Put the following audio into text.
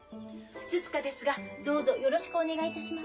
ふつつかですがどうぞよろしくお願いいたします。